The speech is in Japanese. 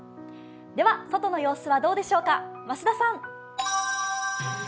では外の様子はどうでしょうか、増田さん。